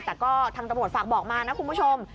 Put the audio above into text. แต่ก็ทางตำรวจฝากบอกมานะคุณผู้ชม